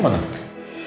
terima kasih bursa